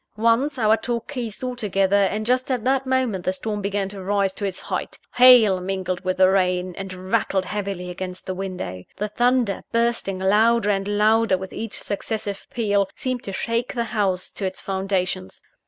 Once, our talk ceased altogether; and, just at that moment, the storm began to rise to its height. Hail mingled with the rain, and rattled heavily against the window. The thunder, bursting louder and louder with each successive peal, seemed to shake the house to its foundations.